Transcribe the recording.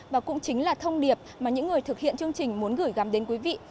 và cũng chính là thông điệp mà những người thực hiện chương trình muốn gửi gắm đến quý vị